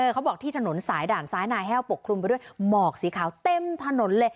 เขาบอกที่ถนนสายด่านซ้ายนายแห้วปกคลุมไปด้วยหมอกสีขาวเต็มถนนเลย